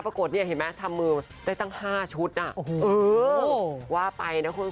ปรากฏเนี่ยเห็นไหมทำมือได้ตั้ง๕ชุดน่ะโอ้โหว่าไปนะคุณ